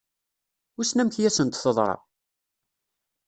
Wissen amek i asent-teḍra?